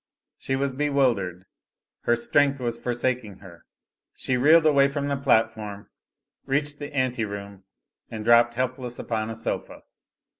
She was bewildered, her strength was forsaking her. She reeled away from the platform, reached the ante room, and dropped helpless upon a sofa.